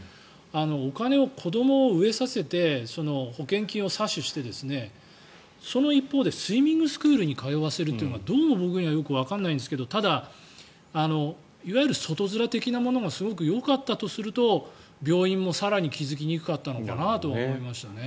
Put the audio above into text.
お金を、子どもを飢えさせて保険金を詐取してその一方でスイミングスクールに通わせるというのはどうも僕にはよくわからないんですけどただ、いわゆる外面的なものがすごくよかったとすると病院も更に気付きにくかったのかなと思いますね。